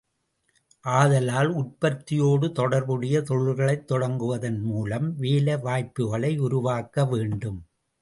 ஆதலால், உற்பத்தியோடு தொடர்புடைய தொழில்களைத் தொடங்குவதன் மூலம் வேலை வாய்ப்புகளை உருவாக்க வேண்டும்.